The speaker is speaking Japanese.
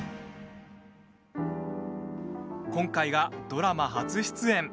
今回が、ドラマ初出演。